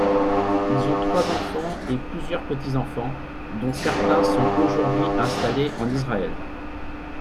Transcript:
Ils ont trois enfants et plusieurs petits-enfants, dont certains sont aujourd'hui installés en Israël.